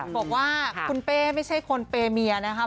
บอกว่าคุณเป้ไม่ใช่คนเปเมียนะครับ